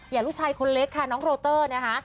ลูกชายคนเล็กค่ะน้องโรเตอร์นะคะ